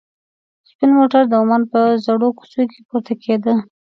سپین موټر د عمان په زړو کوڅو کې پورته کېده.